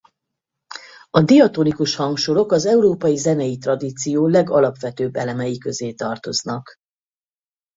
A diatonikus hangsorok az európai zenei tradíció legalapvetőbb elemei közé tartoznak.